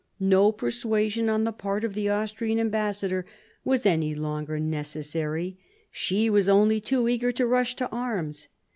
No persuasion on the part of the Austrian ambassador was any longer necessary, she was only too eager to rush to arms.